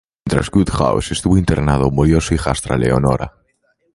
Mientras Wodehouse estuvo internado, murió su hijastra Leonora.